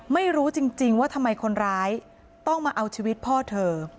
ไม่รู้จริงว่าทำไมคนร้ายต้องมาเอาชีวิตพ่อเธอ